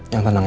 yang tenang ya